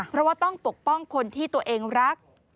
เพราะว่าต้องปกป้องคนที่ตัวเองรัก